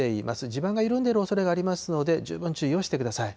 地盤が緩んでいるおそれがありますので、十分注意をしてください。